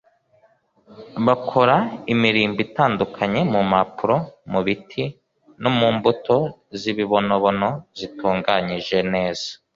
bakora imirimbo itandukanye mu mpapuro mu biti no mu mbuto z’ibibonobono zitunganyije neza